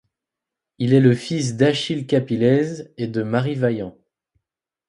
Il est le fils d'Achille Capliez et de Marie Vaillant.